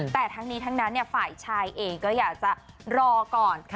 แต่ทั้งนี้ทั้งนั้นฝ่ายชายเองก็อยากจะรอก่อน